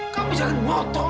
kami jangan mau tok